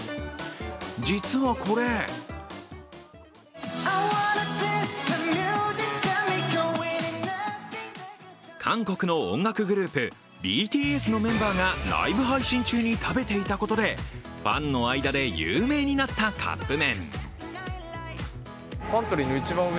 実はこれ韓国の音楽グループＢＴＳのメンバーがライブ配信中に食べていたことでファンの間で有名になったカップ麺。